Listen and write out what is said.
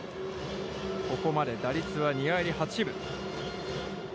ここまで打率は２割８分。